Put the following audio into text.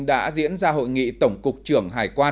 đã diễn ra hội nghị tổng cục trưởng hải quan